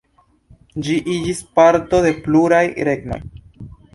Ĝi iĝis parto de pluraj regnoj.